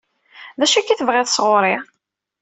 D acu akka i tebɣiḍ sɣur-i?